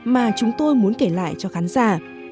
mà chúng tôi muốn kể lại cho khán giả